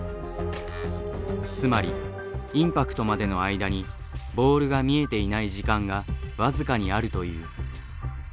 つまりインパクトまでの間にボールが見えていない時間が僅かにあるという。